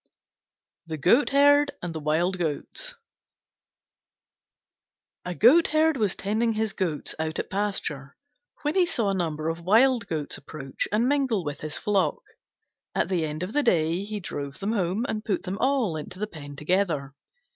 THE GOATHERD AND THE WILD GOATS A Goatherd was tending his goats out at pasture when he saw a number of Wild Goats approach and mingle with his flock. At the end of the day he drove them home and put them all into the pen together.